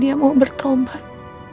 dia mau bertolbat